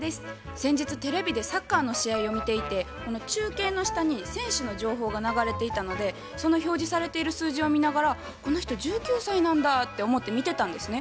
先日テレビでサッカーの試合を見ていて中継の下に選手の情報が流れていたのでその表示されている数字を見ながら「この人１９歳なんだ」って思って見てたんですね。